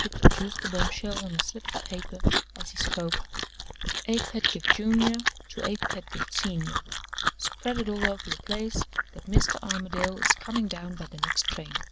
He produced the bombshell on a slip of paper as he spoke: "A. Pedgift, Junior, to A. Pedgift, Senior. Spread it all over the place that Mr. Armadale is coming down by the next train."